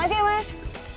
makasih ya mas